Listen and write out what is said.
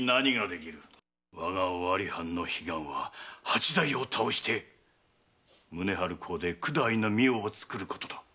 我が尾張藩の悲願は八代を倒して宗春公で九代の御代を作ること。